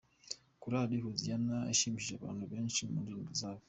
Korali Hoziyana yashimishije abantu benshi mu ndirimbo zabo.